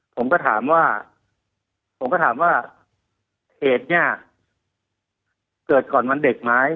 ผมก็ถามว่าผมก็ถามว่าเหตุเนี่ยเกิดก่อนวันเด็กไหม